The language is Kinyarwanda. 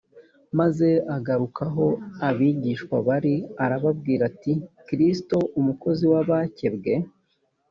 maze agaruka aho abigishwa bari arababwira ati kristo umukozi w abakebwe